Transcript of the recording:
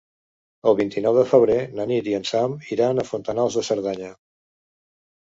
El vint-i-nou de febrer na Nit i en Sam iran a Fontanals de Cerdanya.